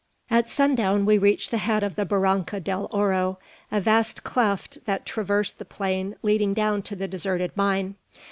At sundown we reached the head of the Barranca del Oro, a vast cleft that traversed the plain leading down to the deserted mine.